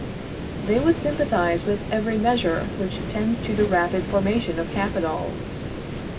They would sympathize with every measure which tends to the rapid formation of capitals.